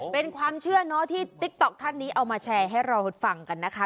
เป็นความเชื่อเนอะที่ติ๊กต๊อกท่านนี้เอามาแชร์ให้เราฟังกันนะคะ